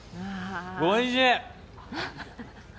おいしい。